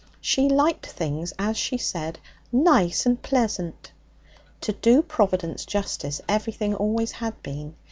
She liked things, as she said, 'nice and pleasant.' To do Providence justice, everything always had been.